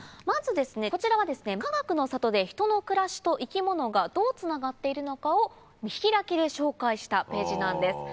まずこちらはかがくの里で人の暮らしと生き物がどうつながっているのかを見開きで紹介したページなんです。